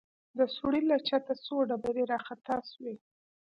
د سوړې له چته څو ډبرې راخطا سوې.